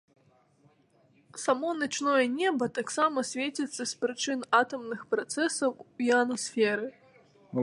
Само начное неба таксама свеціцца з прычын атамных працэсаў у іанасферы.